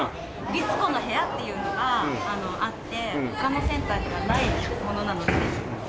りつこの部屋っていうのがあって他のセンターにはないものなのでぜひ。